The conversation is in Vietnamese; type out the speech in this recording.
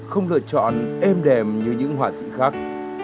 không lựa chọn êm đềm như những họa sĩ khác